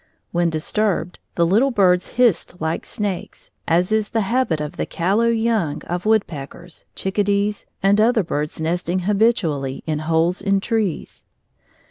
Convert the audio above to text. When disturbed the little birds hissed like snakes, as is the habit of the callow young of woodpeckers, chickadees, and other birds nesting habitually in holes in trees.